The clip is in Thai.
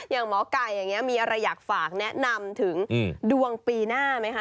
หมอไก่อย่างนี้มีอะไรอยากฝากแนะนำถึงดวงปีหน้าไหมคะ